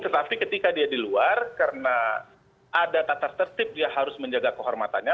tetapi ketika dia di luar karena ada tata tertib dia harus menjaga kehormatannya